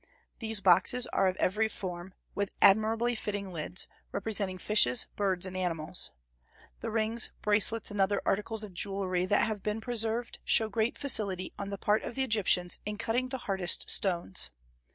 These boxes are of every form, with admirably fitting lids, representing fishes, birds, and animals. The rings, bracelets, and other articles of jewelry that have been preserved show great facility on the part of the Egyptians in cutting the hardest stones.